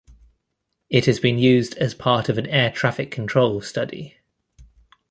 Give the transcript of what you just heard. It has been used as part of an air traffic control study.